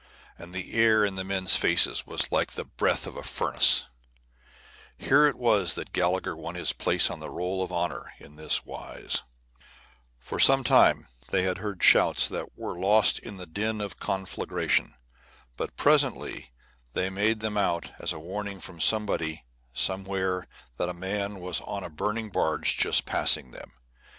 And the air in the men's faces was like the breath of a furnace! [Illustration: GALLAGHER'S RESCUE OF A SWEDE FROM THE BURNING BARGE.] Here it was that Gallagher won his place on the roll of honor in this wise. For some time they had heard shouts that were lost in the din of conflagration; but presently they made them out as a warning from somebody somewhere that a man was on a burning barge just passing them.